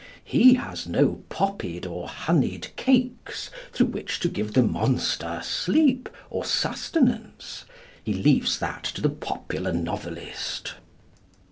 He has no poppied or honeyed cakes through which to give the monster sleep or sustenance. He leaves that to the popular novelist.